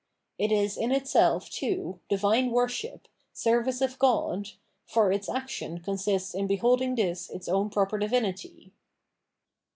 It is in itself, too, divine worship, " service of God," for its action consists in beholding this its own proper divinity.